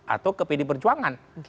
atau ke pd perjuangan